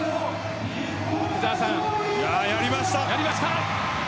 やりました。